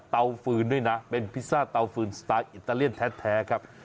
ฟืนด้วยนะเป็นพิซซ่าเตาฟืนสไตล์อิตาเลียนแท้ครับ